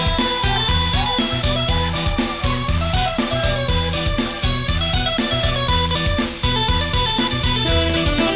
ด้วยคำแพง